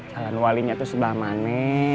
jalan walinya itu sebelah mana